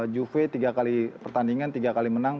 juve tiga kali pertandingan tiga kali menang